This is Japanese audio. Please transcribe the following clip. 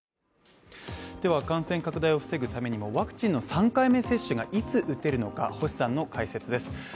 感染拡大を防ぐためにも、ワクチンの３回目接種がいつ打てるのか、星さんの解説です。